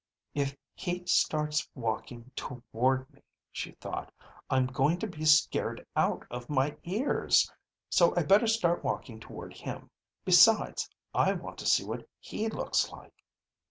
If he starts walking toward me, she thought, _I'm going to be scared out of my ears. So I better start walking toward him. Besides, I want to see what he looks like.